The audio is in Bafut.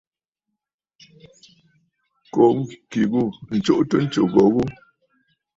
Kó ŋkì ghû ǹtsuʼutə ntsù gho gho.